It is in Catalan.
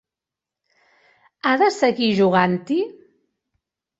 Ha de seguir jugant-hi?